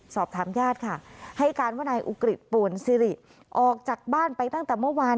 สอบถามญาติค่ะให้การว่านายอุกฤษป่วนซิริออกจากบ้านไปตั้งแต่เมื่อวาน